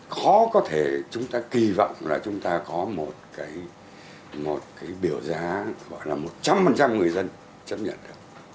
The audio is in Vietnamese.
khó có thể chúng ta kỳ vọng là chúng ta có một cái biểu giá gọi là một trăm linh người dân chấp nhận được